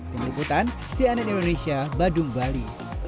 pengikutan cnn indonesia badung bali